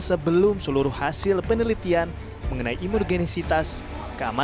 sebelum seluruh hasil penelitian mengenai imunogenisitasnya